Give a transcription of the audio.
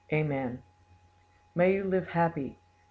Amen. "May you live happy!